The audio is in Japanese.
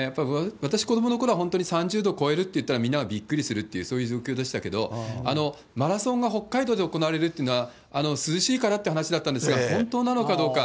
私、子どものころは本当に３０度を超えるっていったら、みんながびっくりするっていう、そういう状況でしたけど、マラソンが北海道で行われるっていうのは、涼しいからって話だったんですが、本当なのかどうか。